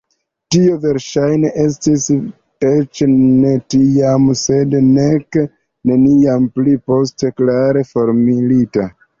Tio verŝajne estis eĉ ne tiam, sed nek neniam pli poste klare formulita.